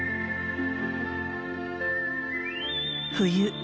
冬。